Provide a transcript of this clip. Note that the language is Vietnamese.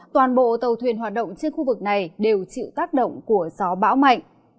toàn bộ tàu thuyền hoạt động trên khu vực này đều chịu tác động của gió bão mạnh